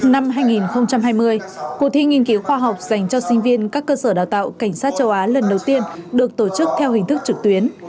năm hai nghìn hai mươi cuộc thi nghiên cứu khoa học dành cho sinh viên các cơ sở đào tạo cảnh sát châu á lần đầu tiên được tổ chức theo hình thức trực tuyến